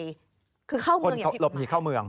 คือเข้าเมืองอย่างเผ็ดไหมหลบหนีเข้าเมือง